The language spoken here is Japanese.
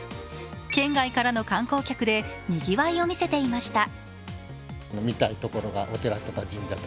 県外からの観光客でにぎわいを見せていました。